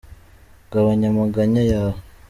Gabanya amaganya yawe.